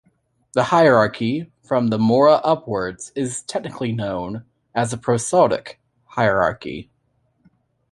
The hierarchy from the mora upwards is technically known as the prosodic hierarchy.